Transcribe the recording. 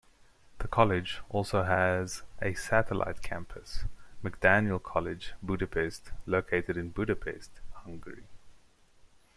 The college also has a satellite campus, McDaniel College Budapest located in Budapest, Hungary.